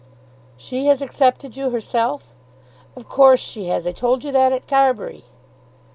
"She has accepted you, herself?" "Of course she has. I told you that at Carbury."